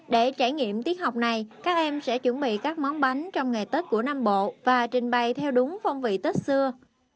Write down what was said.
để trải nghiệm tiết học này các em sẽ chuẩn bị các món bánh trong ngày tết của nam bộ và trình bày theo đúng phong vị tết xưa